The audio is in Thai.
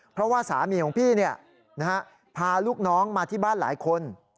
เพราะว่าสามีของพี่พาลูกน้องมาที่บ้านหลายคน